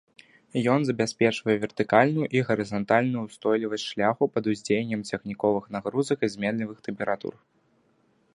Ён забяспечвае вертыкальную і гарызантальную ўстойлівасць шляху пад уздзеяннем цягніковых нагрузак і зменлівых тэмператур.